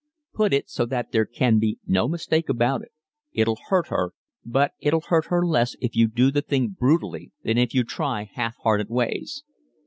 Put it so that there can be no mistake about it. It'll hurt her, but it'll hurt her less if you do the thing brutally than if you try half hearted ways."